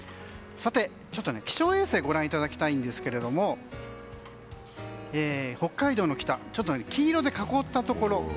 さて、気象衛星をご覧いただきたいんですが北海道の北黄色で囲ったところ。